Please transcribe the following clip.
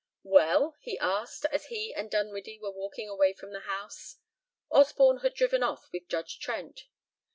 X "Well?" he asked, as he and Dinwiddie were walking away from the house; Osborne had driven off with Judge Trent.